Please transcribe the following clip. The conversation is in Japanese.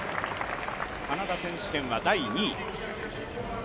カナダ選手権は第２位。